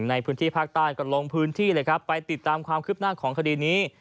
ในพื้นที่ภาคใต้ก็ลงพื้นที่เลยครับไปติดตามความคืบหน้าของคดีนี้